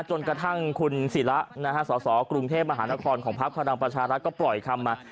จนกระทั่งคุณศิระนะฮะสอสอกรุงเทพมหานครของภาพควรรังประชารักษ์ก็ปล่อยคำมา